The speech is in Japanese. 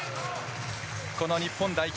この日本代表